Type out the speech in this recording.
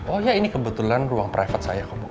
oh iya ini kebetulan ruang private saya kak